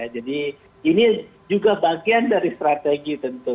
jadi ini juga bagian dari strategi tentu